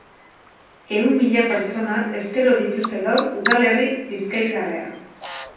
Ehun mila pertsona espero dituzte gaur udalerri bizkaitarrean.